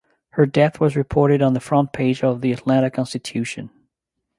Her death was reported on the front page of "The Atlanta Constitution".